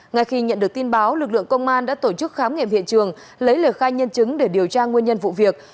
ngay khi nhận được tin báo lực lượng công an đã tổ chức khám nghiệm hiện trường lấy lời khai nhân chứng để điều tra nguyên nhân vụ việc